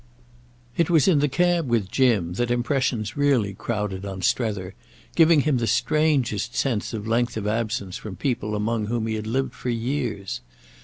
It was in the cab with Jim that impressions really crowded on Strether, giving him the strangest sense of length of absence from people among whom he had lived for years.